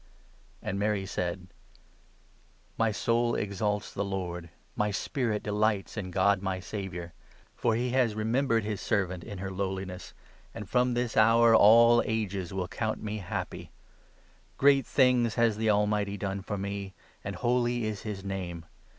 And Mary said : 46 " My soul exalts the Lord, My spirit delights in God my Saviour ; 47 For he has remembered his servant in her lowliness ; 48 And from this hour all ages will count me happy ! Great things has the Almighty done for me ; 49 And holy is his name.